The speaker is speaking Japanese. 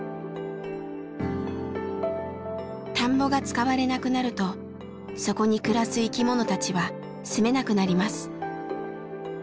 田んぼが使われなくなるとそこに暮らす生きものたちはすめなくなります。